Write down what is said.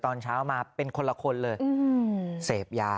ตอนเช้ามาเป็นคนละคนเลยเสพยา